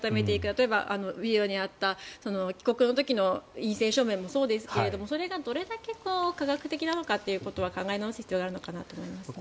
例えばＶＴＲにあった帰国の時の陰性証明もそうですけどそれがどれだけ科学的なのかということを考え直す必要があるのかなと思いますね。